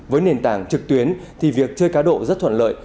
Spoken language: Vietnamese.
với nền tảng trực tuyến thì việc chơi cá độ rất thuận lợi